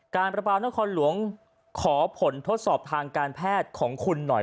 ประปานครหลวงขอผลทดสอบทางการแพทย์ของคุณหน่อย